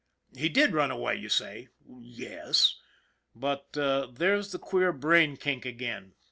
He did run away, you say. Yes, but there's the queer brain kink again.